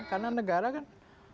warga negara kan